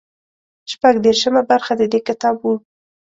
شپږ دېرشمه برخه د دې کتاب وو.